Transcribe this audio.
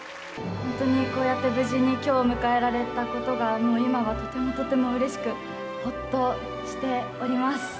本当にこうやって無事にきょうを迎えられたことが、今はとてもとてもうれしく、ほっとしております。